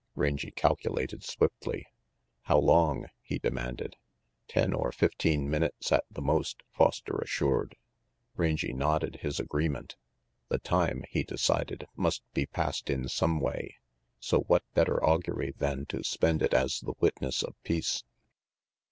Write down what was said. Rangy calculated swiftly. "How long?" he demanded. "Ten or fifteen minutes at the most," Foster assured. Rangy nodded his agreement. The time, he decided, must be passed in some way; so what better augury than to spend it as the witness of peace.